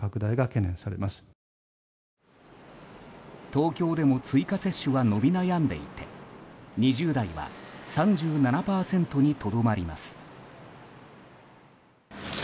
東京でも追加接種は伸び悩んでいて２０代は３７％にとどまります。